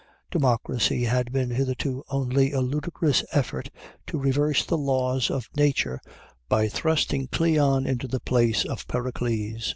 Democracy had been hitherto only a ludicrous effort to reverse the laws of nature by thrusting Cleon into the place of Pericles.